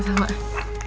terima kasih ra